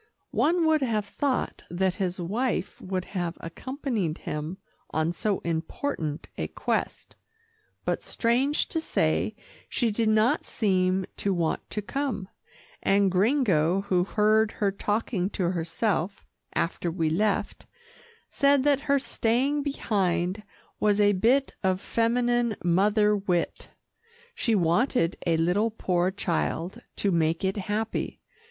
One would have thought that his wife would have accompanied him on so important a quest, but strange to say she did not seem to want to come, and Gringo, who heard her talking to herself after we left, said that her staying behind was a bit of feminine mother wit. She wanted a little poor child to make it happy.